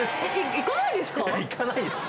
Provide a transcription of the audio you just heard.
行かないですよ。